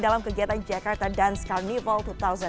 dalam kegiatan jakarta dance carnival